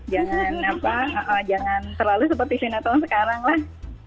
jangan apa jangan terlalu seperti sinetron sekarang lah